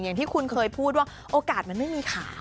อย่างที่คุณเคยพูดว่าโอกาสมันไม่มีขา